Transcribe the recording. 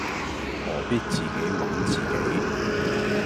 何必自己玩自己